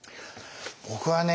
僕はね